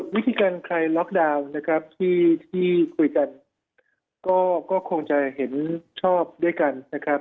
วิธีการคลายล็อคดาวน์ที่คุยกันก็คงจะเห็นชอบด้วยกัน